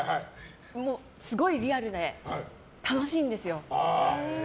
すごいリアルで楽しいんですよ。